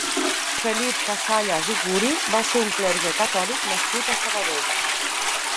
Felip Casañas i Guri va ser un clergue catòlic nascut a Sabadell.